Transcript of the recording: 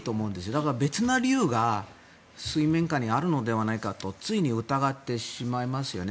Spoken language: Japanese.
だから、別の理由が水面下にあるのではないかとつい疑ってしまいますよね。